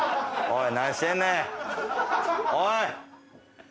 おい！